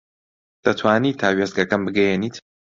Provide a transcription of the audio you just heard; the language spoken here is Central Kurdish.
دەتوانیت تا وێستگەکەم بگەیەنیت؟